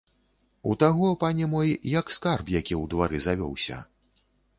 У таго, пане мой, як скарб які ў двары завёўся.